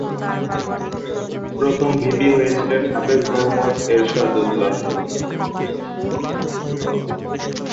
প্রথম ভিপি হয়েছিলেন হাফেজ মোহাম্মাদ এরশাদুল্লাহ।